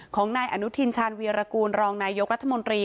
ของนายอนุทินชาญวีรกูลรองนายกรัฐมนตรี